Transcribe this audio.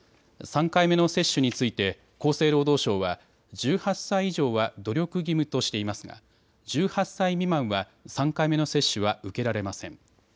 ３回目の接種について厚生労働省は、１８歳以上は努力義務としていますが１８歳未満は３回目の接種は受けられません。